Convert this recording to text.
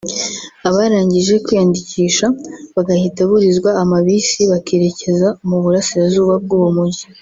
abarangije kwiyandikisha bagahita burizwa amabisi bakereza mu Burasirazuba bw’uwo mujyi